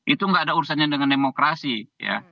itu nggak ada urusannya dengan demokrasi ya